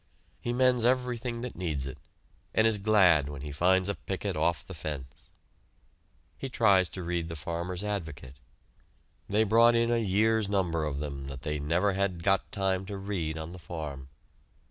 He mends everything that needs it, and is glad when he finds a picket off the fence. He tries to read the Farmers' Advocate. They brought in a year's number of them that they had never got time to read on the farm.